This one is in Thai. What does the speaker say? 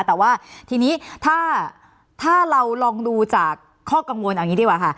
แต่ว่าทีนี้ถ้าเราลองดูจากข้อกังวลอย่างนี้ดีกว่าค่ะ